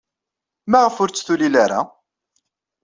Maɣef ur tt-tulil ara?